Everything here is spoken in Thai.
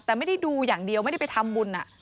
แต่ไม่ได้ดูอย่างเดียวไม่ได้ไปทำบุญ